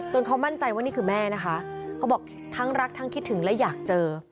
เขามั่นใจว่านี่คือแม่นะคะเขาบอกทั้งรักทั้งคิดถึงและอยากเจอ